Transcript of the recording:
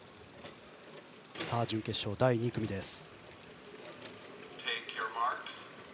準決勝第２組です。